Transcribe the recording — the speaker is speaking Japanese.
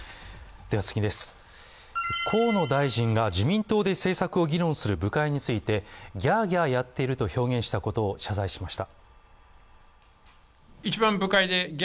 河野大臣が自民党で政策を議論する部会についてギャーギャーやっていると表現したことを謝罪しました。